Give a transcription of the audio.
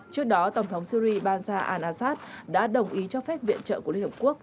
trước đó tổng thống syri baja al assad đã đồng ý cho phép viện trợ của liên hợp quốc